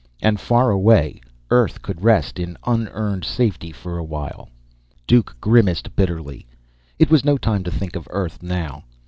And far away, Earth could rest in unearned safety for a while. Duke grimaced bitterly. It was no time to think of Earth now.